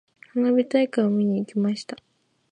花火大会を見に行きました。